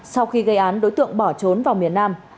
sau khi gây án đối tượng bỏ trốn vào miền nam